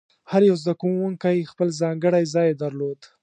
هر یو زده کوونکی خپل ځانګړی ځای درلود.